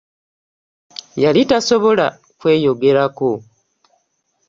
Yali tasobola kweyogerako.